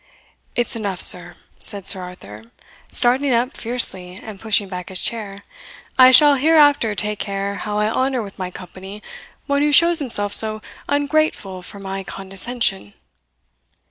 "It's enough, sir," said Sir Arthur, starting up fiercely, and pushing back his chair; "I shall hereafter take care how I honour with my company one who shows himself so ungrateful for my condescension."